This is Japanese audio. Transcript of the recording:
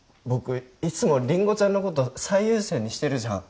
いつもりんごちゃんのこと最優先にしてるじゃん